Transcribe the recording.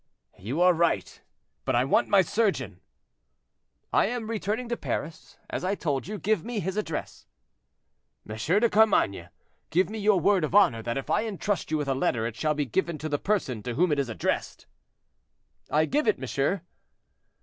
"You are right; but I want my surgeon." "I am returning to Paris, as I told you: give me his address." "M. de Carmainges, give me your word of honor that if I intrust you with a letter it shall be given to the person to whom it is addressed." "I give it, monsieur."